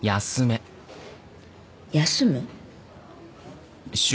「休む」？